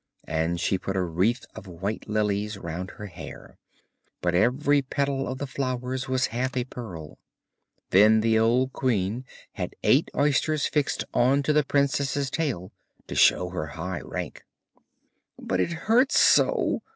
and she put a wreath of white lilies round her hair, but every petal of the flowers was half a pearl; then the old queen had eight oysters fixed on to the princess's tail to show her high rank. 'But it hurts so!'